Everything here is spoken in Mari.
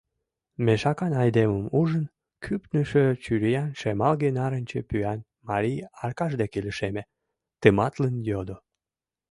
Мешакан айдемым ужын, кӱпнышӧ чуриян, шемалге-нарынче пӱян марий Аркаш деке лишеме, тыматлын йодо: